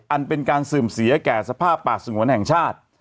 อันเป็นการเสื่อมเสียแก่สภาพป่าสงวนแห่งชาติ